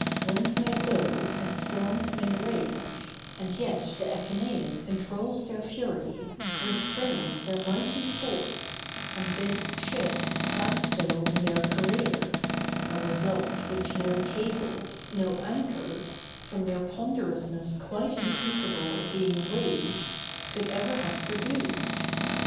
Winds may blow and storms may rage, and yet the echeneïs controls their fury, restrains their mighty force, and bids ships stand still in their career; a result which no cables, no anchors, from their ponderousness quite incapable of being weighed, could ever have produced!